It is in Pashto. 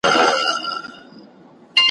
چي په سترګو ورته ګورم په پوهېږم `